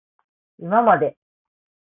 いままで